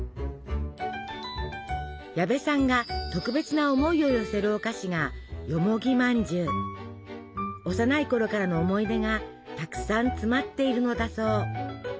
矢部さんが特別な思いを寄せるお菓子が幼いころからの思い出がたくさん詰まっているのだそう。